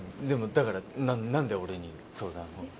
でもだから何で俺に相談を？